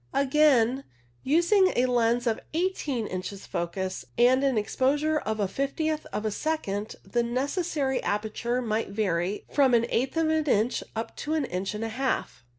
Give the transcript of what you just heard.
Again, using a lens of eighteen inches focus and an exposure of a fiftieth of a second, the necessary aperture might vary from an eighth of an inch up to an inch and a half.